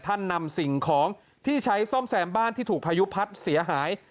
นำสิ่งของที่ใช้ซ่อมแซมบ้านที่ถูกพายุพัดเสียหาย